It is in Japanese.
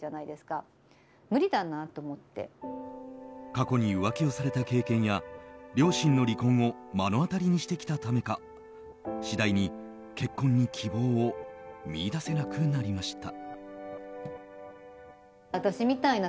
過去に浮気をされた経験や両親の離婚を目の当たりにしてきたためか次第に結婚に希望を見いだせなくなりました。